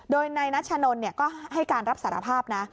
โดยนายนัชนนก็ให้การรับสารภาพนะ